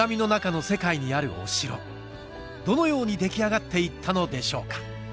どのように出来上がって行ったのでしょうか？